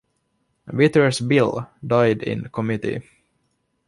Vitter's bill died in committee.